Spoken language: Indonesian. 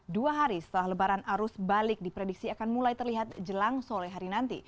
dua hari setelah lebaran arus balik diprediksi akan mulai terlihat jelang sore hari nanti